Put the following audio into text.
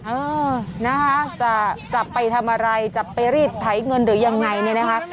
เออนะคะจะจับไปทำอะไรจับไปรีดไถเงินหรือยังไงเนี่ยนะคะ